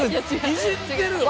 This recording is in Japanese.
いじってるよね。